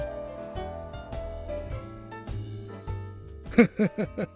フフフフフ。